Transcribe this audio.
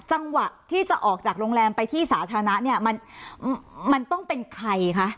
จังหวะที่จะออกจากโรงแรมไปที่สาธารณะเนี่ยมันต้องเป็นใครคะ